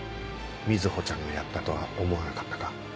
瑞穂ちゃんがやったとは思わなかったか？